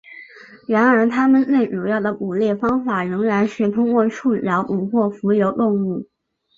然而它们最主要的捕猎方法仍然是通过触角捕获浮游动物。